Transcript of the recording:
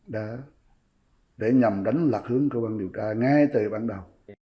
để nhằm đánh lạc hướng cơ quan điều tra ngay từ ban đầu